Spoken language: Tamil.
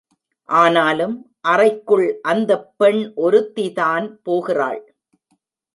ஆனாலும் அறைக்குள் அந்தப் பெண் ஒருத்திதான் போகிறாள்.